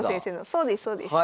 そうですそうです。